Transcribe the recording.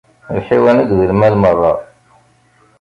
Lḥiwan akked lmal merra.